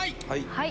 はい。